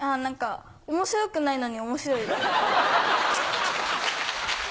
面白くないのに面白い。